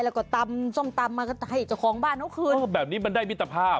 แล้วก็ตำส้มตำมาก็ให้เจ้าของบ้านเขาคืนเออแบบนี้มันได้มิตรภาพ